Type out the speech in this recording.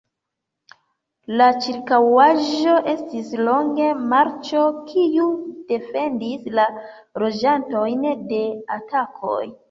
La ĉirkaŭaĵo estis longe marĉo, kiu defendis la loĝantojn de atakoj.